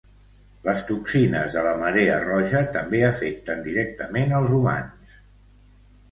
Les toxines de la marea roja també afecten directament els humans.